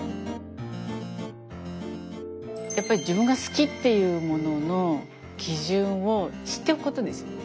やっぱり自分が好きっていうものの基準を知っておくことですよね。